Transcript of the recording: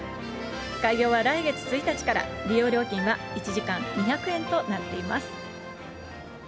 開業は来月１日から、利用料金は１時間２００円となっています。